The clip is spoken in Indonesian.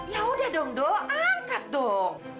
ya udah dong doa angkat dong